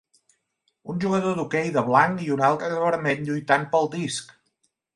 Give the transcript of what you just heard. Un jugador d'hoquei de blanc i un altre de vermell lluitant pel disc